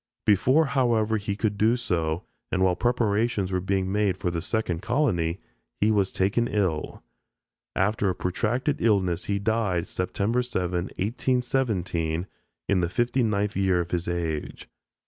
Before, however, he could do so, and while preparations were being made for the second colony, he was taken ill. After a protracted illness he died September 7, 1817, in the fifty ninth year of his age.